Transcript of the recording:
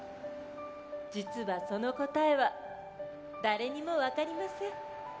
実はその答えは誰にも分かりません。